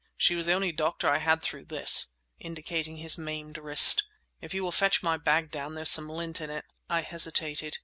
"She was the only doctor I had through this"—indicating his maimed wrist. "If you will fetch my bag down, there's some lint in it." I hesitated.